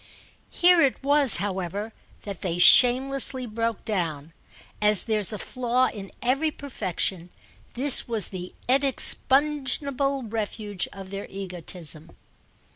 Here it was, however, that they shamelessly broke down; as there's a flaw in every perfection this was the inexpugnable refuge of their egotism.